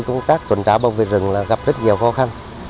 công tác tuần tra bảo vệ rừng gặp rất nhiều khó khăn